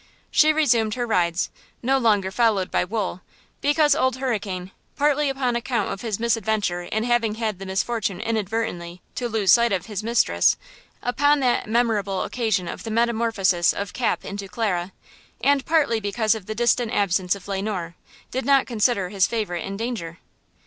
She resumed her rides, no longer followed by Wool, because Old Hurricane, partly upon account of his misadventure in having had the misfortune inadvertently "to lose sight of" his mistress upon that memorable occasion of the metamorphosis of Cap into Clara and partly because of the distant absence of Le Noir, did not consider his favorite in danger.